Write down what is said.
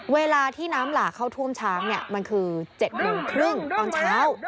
เวลาที่น้ำหลากเข้าท่วมช้างมันคือ๗โมงครึ่งตอนเช้า